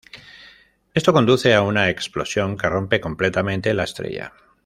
Esto conduce a una explosión que rompe completamente la estrella.